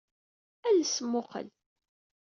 Ales mmuqqel.